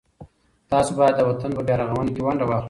تاسو باید د وطن په بیا رغونه کي ونډه واخلئ.